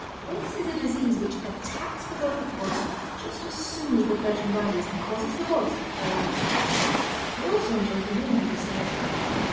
This is a disease which attacks the vocal chords just as soon as the curtain rises and causes the voice to fall out. I also enjoyed the names of the singers.